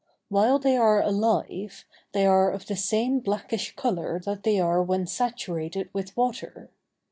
While they are alive, they are of the same blackish color that they are when saturated with water.